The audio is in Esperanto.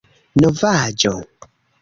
novaĵo